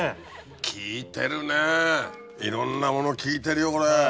効いてるねいろんなもの効いてるよこれ。